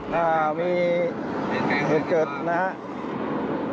อ่ามีเหตุเกิดนะครับ